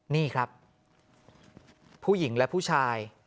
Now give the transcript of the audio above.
นี่ครับผู้หญิงและผู้ชาย